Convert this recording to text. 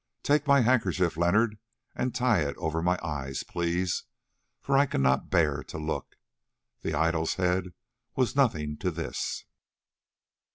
Take my handkerchief, Leonard, and tie it over my eyes, please, for I cannot bear to look. The idol's head was nothing to this."